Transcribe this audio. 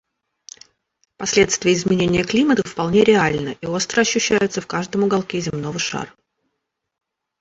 Последствия изменения климата вполне реальны и остро ощущаются в каждом уголке земного шара.